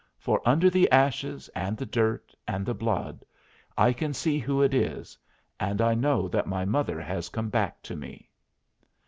For, under the ashes and the dirt and the blood, I can see who it is, and I know that my mother has come back to me.